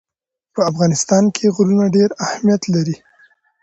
په افغانستان کې غرونه ډېر اهمیت لري.